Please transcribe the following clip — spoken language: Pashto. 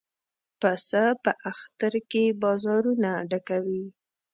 پسه په اختر کې بازارونه ډکوي.